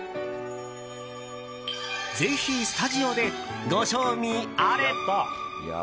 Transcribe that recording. ぜひスタジオでご賞味あれ。